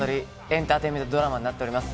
エンターテインメントドラマになっています。